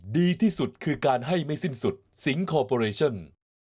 ดีที่สุดคือการให้ไม่สิ้นสุดสิงคอร์ปอเรชั่น